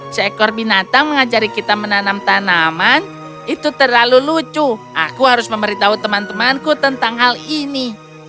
seekor binatang mengajari kita menanam tanaman itu terlalu lucu aku harus memberitahu teman temanku tentang hal ini